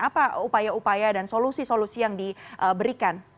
apa upaya upaya dan solusi solusi yang diberikan